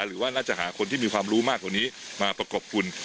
หรือว่าน่าจะหาคนที่มีความรู้มากกว่านี้มาประกบคุณ